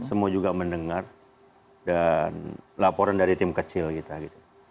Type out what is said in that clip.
semua juga mendengar dan laporan dari tim kecil kita gitu